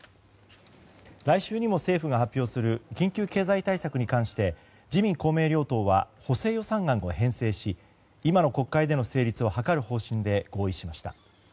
来週にも政府が発表する緊急経済対策に関して自民・公明両党は補正予算案を編成し今の国会での成立を図る方針で合意しました。